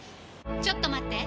ちょっと待って！